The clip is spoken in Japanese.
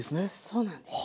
そうなんです。